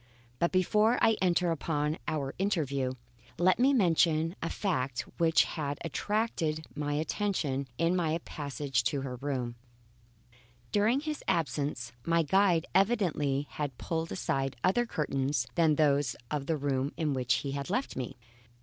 But before I enter upon our interview, let me mention a fact which had attracted my attention in my passage to her room. During his absence my guide evidently had pulled aside other curtains than those of the room in which he had left me.